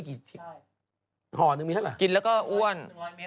แล้วมีลูกสาวเลยเป็นตุ๊ดขึ้นทุกวัน